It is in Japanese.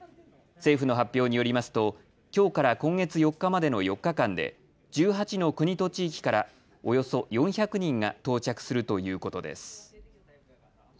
政府の発表によりますときょうから今月４日までの４日間で１８の国と地域からおよそ４００人が到着するということです。